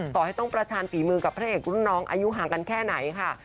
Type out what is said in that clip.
ต่อให้ต้องประชาญฝีมือกับพระเอกรุ่นน้องอายุห่างกันแค่ไหนค่ะ